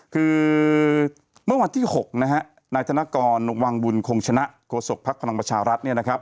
คือเมื่อวันที่๖นายธนกรวังบุญคงชนะโกศกภักดิ์คลังประชารัฐ